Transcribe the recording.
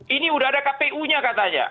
ini udah ada kpu nya katanya